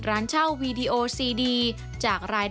กระแสรักสุขภาพและการก้าวขัด